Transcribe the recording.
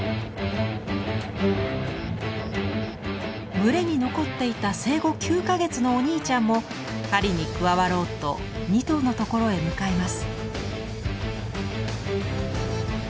群れに残っていた生後９か月のお兄ちゃんも狩りに加わろうと２頭のところへ向かいます。